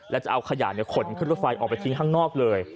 และจะเอาขยะในขนออกไปทิ้งข้างนอกเลย